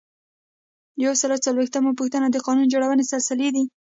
یو سل او څلویښتمه پوښتنه د قانون جوړونې سلسلې دي.